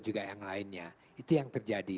juga yang lainnya itu yang terjadi